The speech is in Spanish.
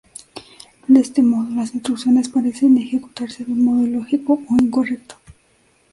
De este modo las instrucciones parecen ejecutarse de un modo ilógico o incorrecto.